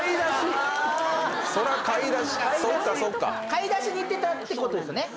買い出しに行ってたってことですね。